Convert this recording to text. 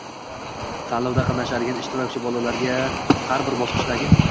Tanlovda qatnashadigan ishtirokchi bolalarga larga xar bir bosqichdagi